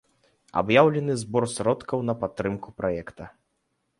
Аб'яўлены збор сродкаў на падтрымку праекта.